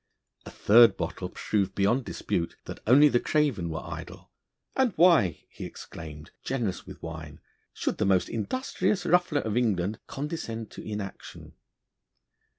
A third bottle proved beyond dispute that only the craven were idle; 'and why,' he exclaimed, generous with wine, 'should the most industrious ruffler of England condescend to inaction?'